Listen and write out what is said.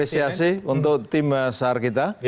apresiasi untuk tim sar kita